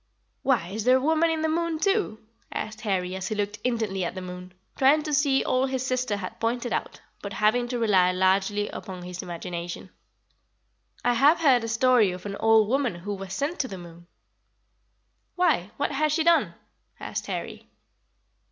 "Why, is there a woman in the moon, too?" asked Harry, as he looked intently at the moon, trying to see all his sister had pointed out, but having to rely largely upon his imagination. THE WOMAN IN THE MOON. "I have heard a story of an old woman who was sent to the moon." "Why, what had she done?" asked Harry.